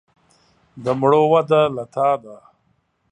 د مړو وده له تا ده.